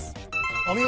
お見事！